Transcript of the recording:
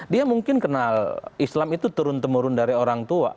dia mungkin kenal islam itu turun temurun dari orang tua